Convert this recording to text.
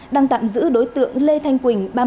đang tạm giữ đối tượng lê thanh quỳnh